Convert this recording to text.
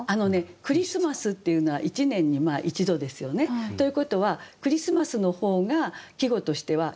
クリスマスっていうのは一年に１度ですよね。ということは「クリスマス」の方が季語としてはよく働いてる。